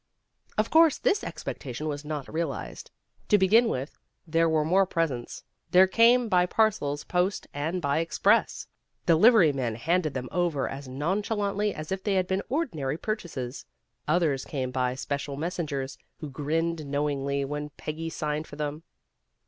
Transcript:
Of course this expectation was nat realized. To begin with, there were more presents. They came by parcels post and by express. Deliverymen handed them over as nonchalantly as if they had been ordinary purchases. Others A JULY WEDDING 315 came by special messengers, who grinned knowingly when Peggy signed for them.